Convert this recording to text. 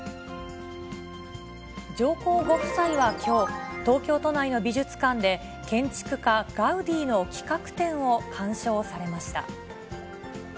上皇ご夫妻はきょう、東京都内の美術館で、建築家、ガウディの企画展を鑑賞されました。